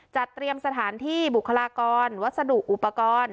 จัดเตรียมสถานที่บุคลากรวัสดุอุปกรณ์